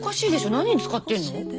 何に使ってるの？